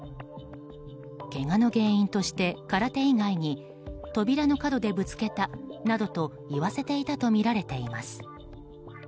けがの原因として空手以外に扉の角でぶつけたなどと言わせていたとみられています。